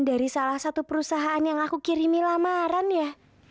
dari salah satu perusahaan yang aku kirimi lamaran ya